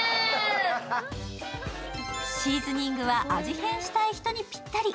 シーズニングは味変したい人にぴったり。